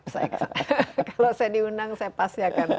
kalau saya diundang saya pasti akan